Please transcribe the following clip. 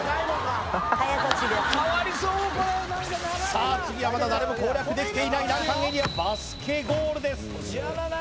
さあ次はまだ誰も攻略できていない難関エリアバスケゴールです